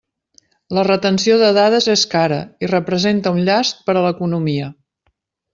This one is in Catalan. La retenció de dades és cara i representa un llast per a l'economia.